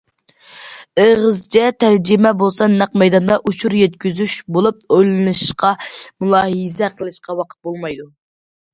ئېغىزچە تەرجىمە بولسا نەق مەيداندا ئۇچۇر يەتكۈزۈش بولۇپ، ئويلىنىشقا، مۇلاھىزە قىلىشقا ۋاقىت بولمايدۇ.